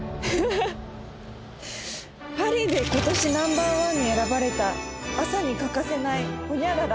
「パリでことしナンバーワンに選ばれた朝に欠かせないほにゃらら」